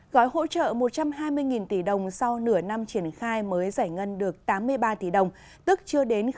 gói hỗ trợ một trăm hai mươi tỷ đồng sau nửa năm triển khai mới giải ngân được tám mươi ba tỷ đồng tức chưa đến